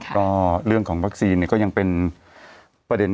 ก็เรื่องของวัคซีนก็ยังเป็นประเด็น